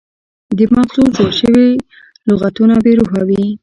د مغزو جوړ شوي لغتونه بې روحه وي.